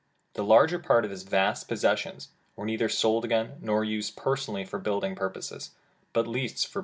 The larger part of his vast possessions were neither sold again, nor used personally for building purposes, but leased for periods 244 m j